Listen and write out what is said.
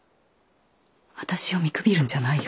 私を見くびるんじゃないよ。